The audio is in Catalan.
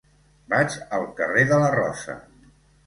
Vaig al carrer de la Rosa.